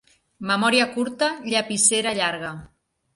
Memòria curta, llapissera llarga.